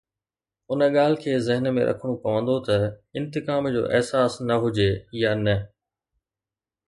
ان ڳالهه کي ذهن ۾ رکڻو پوندو ته انتقام جو احساس نه هجي يا نه